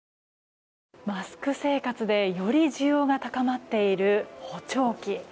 マスク生活でより需要が高まっている補聴器。